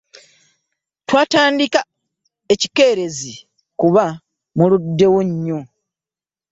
Twanditandika ekikeerezi kuba muluddeyo nnyo.